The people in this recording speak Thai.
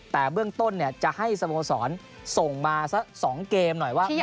แต่เบื้องต้นจะให้สโมสรส่งมาสัก๒เกมหน่อยว่า